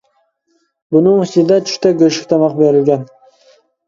بۇنىڭ ئىچىدە چۈشتە گۆشلۈك تاماق بېرىلگەن.